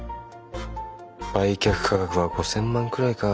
売却価格は５，０００万くらいか。